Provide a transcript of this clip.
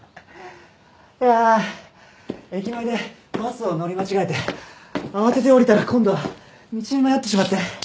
いやあ駅前でバスを乗り間違えて慌てて降りたら今度は道に迷ってしまって。